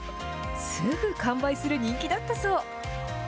すぐ完売する人気だったそう。